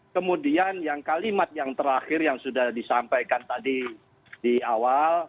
kemudian yang kalimat yang terakhir yang sudah disampaikan tadi di awal